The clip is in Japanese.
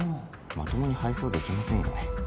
まともに配送できませんよね。